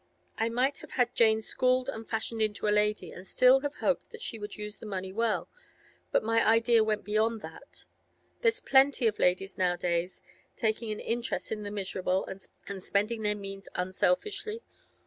I might have had Jane schooled and fashioned into a lady, and still have hoped that she would use the money well; but my idea went beyond that. There's plenty of ladies nowadays taking an interest in the miserable, and spending their means unselfishly.